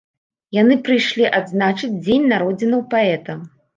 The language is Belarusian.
Яны прыйшлі адзначыць дзень народзінаў паэта.